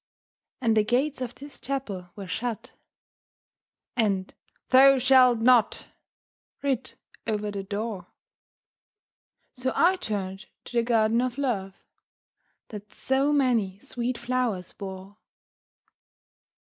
And the gates of this Chapel were shut, And 'Thou shalt not' writ over the door; So I turned to the Garden of Love That so many sweet flowers bore.